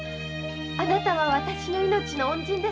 あなたはわたしの命の恩人です。